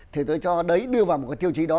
thì tôi cho đấy đưa vào một cái tiêu chí đó